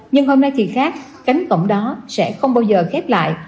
nhưng hôm nay thì khác cánh cổng đó sẽ không bao giờ khép lại